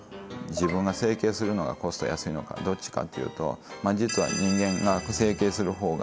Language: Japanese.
自分が整形するのがコスト安いのかどっちかっていうと実は人間が整形する方が。